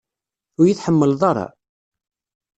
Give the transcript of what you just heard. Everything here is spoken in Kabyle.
Ur iyi-tḥemmleḍ ara?